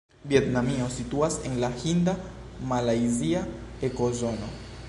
Vjetnamio situas en la hinda-malajzia ekozono.